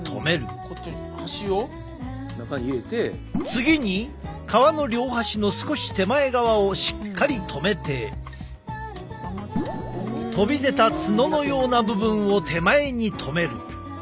次に皮の両端の少し手前側をしっかりとめて飛び出た角のような部分を手前にとめる。